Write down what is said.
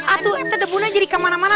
atau tidak bisa dimana mana